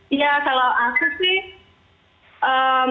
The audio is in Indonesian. iya kalau aku sih